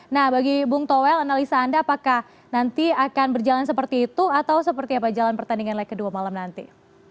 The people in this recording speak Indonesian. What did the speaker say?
nah bagi bung towel analisa anda apakah nanti akan berjalan seperti itu atau seperti apa jalan pertandingan leg kedua malam nanti